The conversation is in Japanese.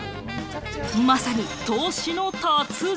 まさに投資の達人。